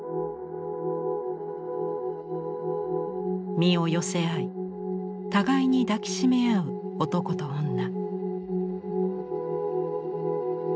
身を寄せ合い互いに抱き締め合う男と女。